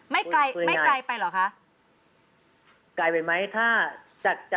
ไม่ไกลไปหรอคะ